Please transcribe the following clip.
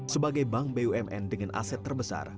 sebagai bank bumn dengan aset terbesar